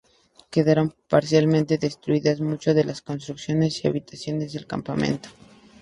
Quedaron parcialmente destruidas muchas de las construcciones y habitaciones del campamento.